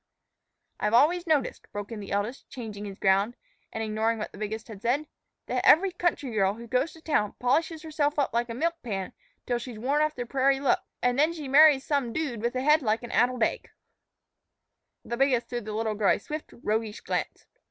"I've always noticed," broke in the eldest, changing his ground, and ignoring what the biggest said, "that every country girl who goes to town polishes herself up like a milk pan till she's worn off the prairie look, an' then she marries some dude with a head like an addled egg." The biggest threw the little girl a swift, roguish glance.